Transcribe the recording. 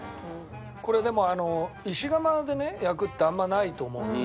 これでも石釜で焼くってあんまないと思うのね。